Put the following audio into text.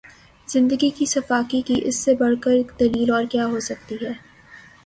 زندگی کی سفاکی کی اس سے بڑھ کر دلیل اور کیا ہوسکتی ہے